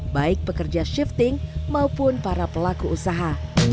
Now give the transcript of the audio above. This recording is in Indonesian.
baik pekerja shifting maupun para pelaku usaha